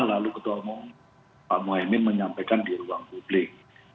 lalu ketua umum pak mohaimin menyampaikan di ruang publik